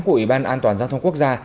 của ủy ban an toàn giao thông quốc gia